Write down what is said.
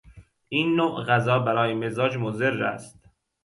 این نوع غذا برای مزاج مضر است.